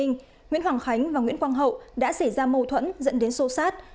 nguyễn hoàng khánh và nguyễn quang hậu đã xảy ra mâu thuẫn dẫn đến xô xát